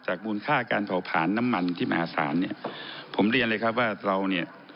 มูลค่าการเผาผลานน้ำมันที่มหาศาลเนี่ยผมเรียนเลยครับว่าเราเนี่ย